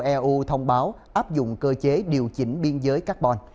eu thông báo áp dụng cơ chế điều chỉnh biên giới carbon